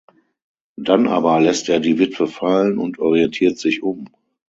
Dann aber lässt er die Witwe fallen und orientiert sich um.